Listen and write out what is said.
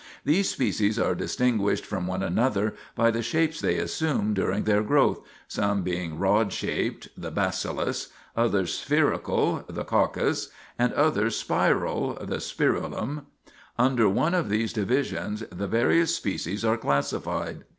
These species are distinguished from one another by the shapes they assume during their growth, some being rod shaped (the bacillus), others spherical (the coccus), and others spiral (the spirillum). Under one of these divisions the various species are classified.